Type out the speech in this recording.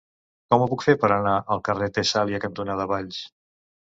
Com ho puc fer per anar al carrer Tessàlia cantonada Valls?